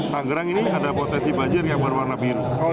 tanggerang ini ada potensi banjir yang berwarna biru